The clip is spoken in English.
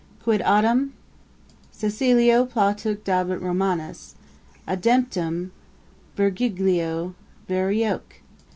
Quid autem Cæcilio Plautoque dabit Romanus, ademptum Virgilio Varioque?